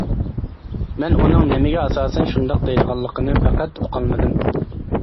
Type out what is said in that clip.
مەن ئۇنىڭ نېمىگە ئاساسەن شۇنداق دەيدىغانلىقىنى پەقەت ئۇقالمىدىم.